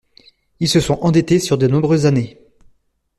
Ils se sont endettés sur de nombreuses années.